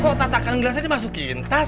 kok tatakan gelasnya dimasukin tas